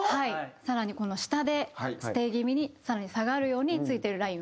更にこの下でステイ気味に更に下がるようについてるラインを。